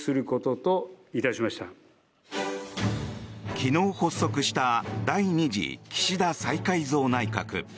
昨日発足した第２次岸田再改造内閣。